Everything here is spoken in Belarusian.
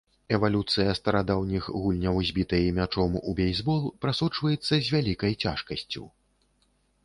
Эвалюцыя старадаўніх гульняў з бітай і мячом у бейсбол прасочваецца з вялікай цяжкасцю.